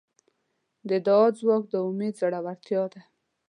د دعا ځواک د امید زړورتیا ده.